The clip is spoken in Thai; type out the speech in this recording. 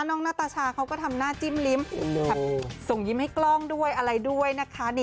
หน้าตาชาเขาก็ทำหน้าจิ้มลิ้มส่งยิ้มให้กล้องด้วยอะไรด้วยนะคะ